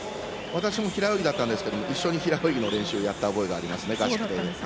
私も平泳ぎだったんですけど一緒に平泳ぎの練習をやった覚えがありますね。